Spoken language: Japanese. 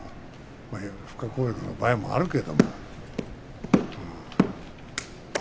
不可抗力の場合もあるけれど。